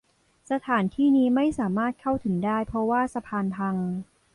สถานที่นี้ไม่สามารถเข้าถึงได้เพราะว่าสะพานพัง